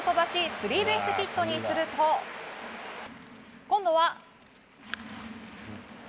スリーベースヒットにすると今度は。